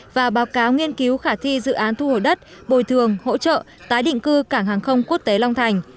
và báo cáo nghiên cứu khả thi dự án thu hồi đất bồi thường hỗ trợ tái định cư cảng hàng không quốc tế long thành